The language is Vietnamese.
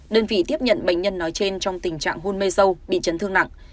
đơn vị tiếp nhận bệnh nhân nói trên trong tình trạng hôn mê sâu bị chấn thương nặng